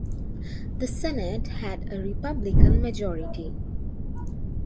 The Senate had a Republican majority.